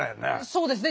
そうですね。